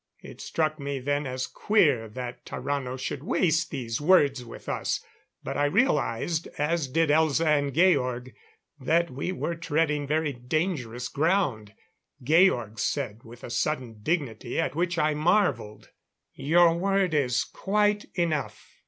It struck me then as queer that Tarrano should waste these words with us; but I realized, as did Elza and Georg, that we were treading very dangerous ground. Georg said, with a sudden dignity at which I marveled: "Your word is quite enough."